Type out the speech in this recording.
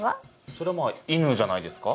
それはまあ犬じゃないですか？